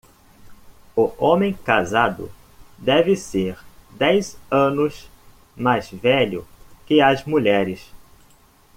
O homem casado deve ser dez anos mais velho que as mulheres.